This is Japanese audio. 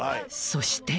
そして。